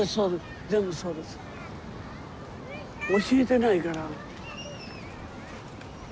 教えてないから。